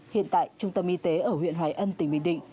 hiện tại trung tâm y tế ở huyện hoài ân tỉnh bình định